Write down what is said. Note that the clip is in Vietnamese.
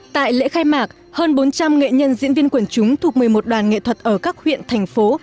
tại lễ khai mạc hơn bốn trăm linh nghệ nhân diễn viên quần chúng thuộc một mươi một đoàn nghệ thuật ở các huyện thành phố